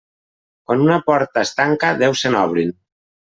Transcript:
Quan una porta es tanca, deu se n'obrin.